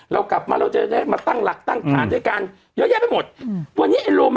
เรากลับมาแล้วจะได้มาตั้งหลักตั้งฐานด้วยกันเยอะแยะไปหมดอืม